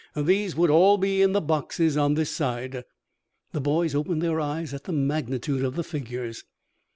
These would all be in the boxes on this side." The boys opened their eyes at the magnitude of the figures.